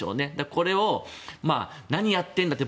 これを、何やってるんだって